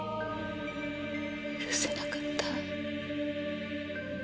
許せなかった。